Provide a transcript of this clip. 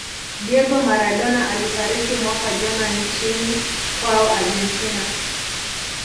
diego maradona alifariki mwaka jana nchini kwao argentina